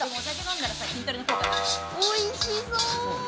おいしそう！